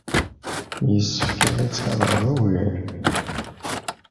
Yessefk ad ttḥadareɣ ugar.